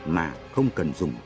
mà không cần dùng